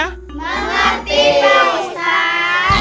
mengerti pak ustaz